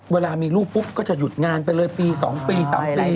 เวลามีลูกปุ๊บก็จะหยุดงานไปเลยปี๒ปี๓ปี